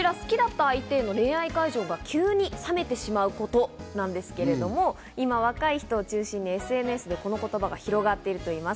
こちら、好きだった相手への恋愛感情が急に冷めてしまうことなんですけれども、今、若い人を中心にＳＮＳでこの言葉が広がっているといいます。